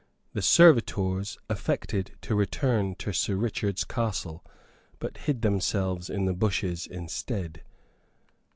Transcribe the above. The servitors affected to return to Sir Richard's castle, but hid themselves in the bushes instead.